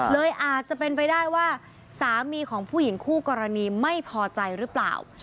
เลยอาจจะเป็นไปได้ว่าสามีของผู้หญิงคู่กรณีไม่พอใจหรือเปล่า